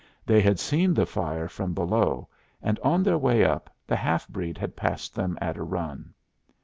They had seen the fire from below, and on their way up the half breed had passed them at a run.